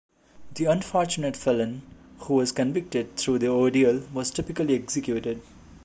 The unfortunate felon who was convicted through the ordeal was typically executed.